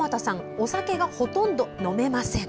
お酒がほとんど飲めません。